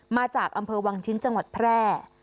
มาจากอำเภอวังชิ้นจังหวัดแพร่